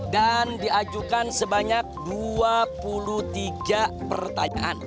dan diajukan sebanyak dua puluh tiga pertanyaan